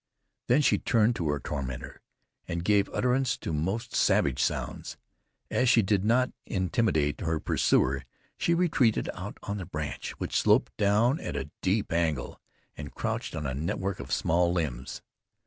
Then she turned to her tormentor, and gave utterance to most savage sounds. As she did not intimidate her pursuer, she retreated out on the branch, which sloped down at a deep angle, and crouched on a network of small limbs.